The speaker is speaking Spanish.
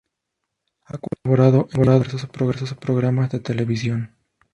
Ha colaborado en diversos programas de televisión.